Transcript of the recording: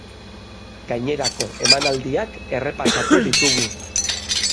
Gainerako emanaldiak errepasatu ditugu.